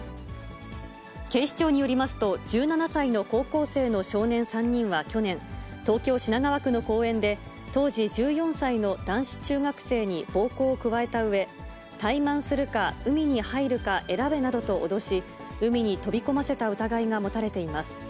警視庁によりますと、１７歳の高校生の少年３人は去年、東京・品川区の公園で、当時１４歳の男子中学生に暴行を加えたうえ、タイマンするか海に入るか選べなどと脅し、海に飛び込ませた疑いが持たれています。